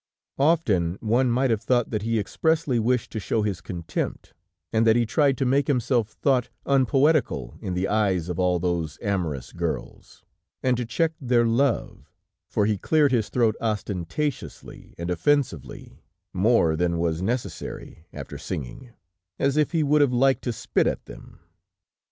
Often, one might have thought that he expressly wished to show his contempt, and that he tried to make himself thought unpoetical in the eyes of all those amorous girls, and to check their love, for he cleared his throat ostentatiously and offensively, more than was necessary, after singing, as if he would have liked to spit at them.